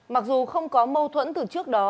mặc dù không có mâu thuẫn từ trước đó